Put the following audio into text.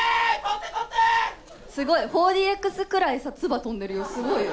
すごい、４ＤＸぐらいつば飛んでるよ、すごいよ。